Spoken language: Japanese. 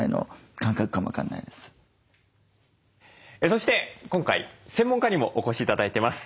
そして今回専門家にもお越し頂いてます。